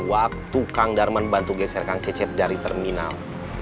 waktu kang darman bantu geser kang cecep dari terminal